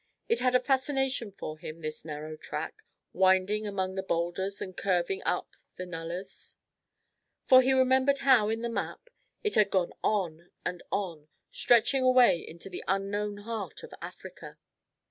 It had a fascination for him, this narrow track, winding among the boulders and curving up the nullahs, for he remembered how in the map it had gone on and on, stretching away into the unknown heart of Africa.